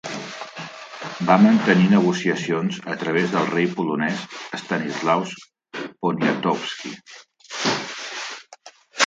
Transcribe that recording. Va mantenir negociacions a través del rei polonès Stanislaus Poniatowski.